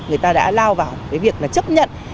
người ta đã lao vào cái việc là chấp nhận